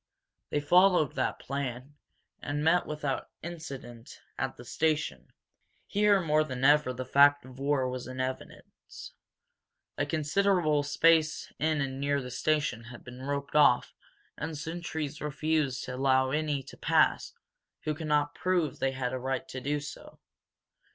They followed that plan, and met without incident at the station. Here more than ever the fact of war was in evidence. A considerable space in and near the station had been roped off and sentries refused to allow any to pass who could not prove that they had a right to do so.